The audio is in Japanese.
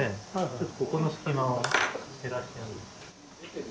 ちょっとここの隙間を減らして。